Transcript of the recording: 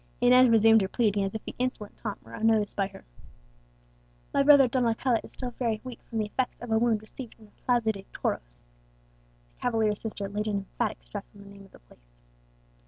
Inez resumed her pleading as if the insolent taunt were unnoticed by her. "My brother Don Alcala is still very weak from the effects of a wound received in the Plaza de Toros," the cavalier's sister laid an emphatic stress on the name of the place.